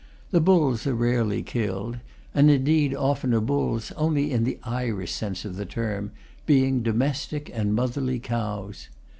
The bulls are rarely killed, and indeed often are bulls only in the Irish sense of the term, being domestic and motherly cows.